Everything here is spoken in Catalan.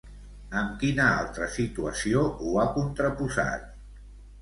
Amb quina altra situació ho ha contraposat?